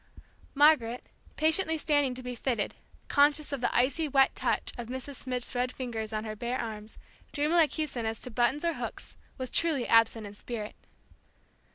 Margaret, patiently standing to be fitted, conscious of the icy, wet touch of Mrs. Schmidt's red fingers on her bare arms, dreamily acquiescent as to buttons or hooks, was totally absent in spirit.